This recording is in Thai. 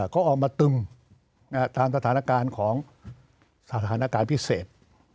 เขาออกมาตึงตามสถานการณ์ของสถานการณ์พิเศษ